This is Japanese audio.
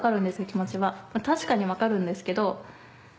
気持ちは確かに分かるんですけど。